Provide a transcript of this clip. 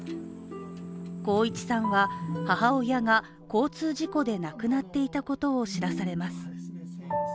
航一さんは、母親が交通事故で亡くなっていたことを知らされます。